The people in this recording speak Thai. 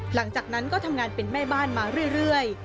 หลังจากนั้นก็ทำงานเป็นแม่บ้านมาเรื่อย